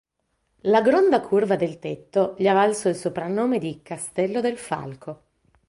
La gronda curva del tetto gli ha valso il soprannome di "Castello del Falco".